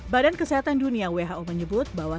badan kesehatan dunia who menyebut bahwa